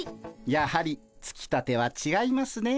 やはりつきたてはちがいますねえ。